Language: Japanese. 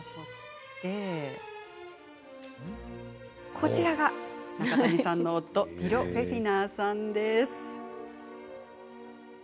こちらが、中谷さんの夫ティロ・フェヒナーさんです。